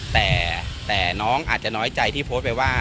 แต่น้องอาจจะน้อยใจที่โพสต์ไปว่า